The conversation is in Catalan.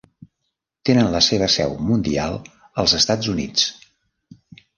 Tenen la seva seu mundial als Estats Units.